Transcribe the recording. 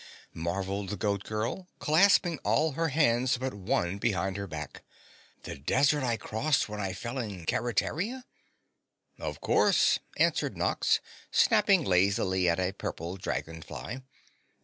marveled the Goat Girl, clasping all her hands but one behind her back, "the desert I crossed when I fell in Keretaria?" "Of course," answered Nox, snapping lazily at a purple dragon fly.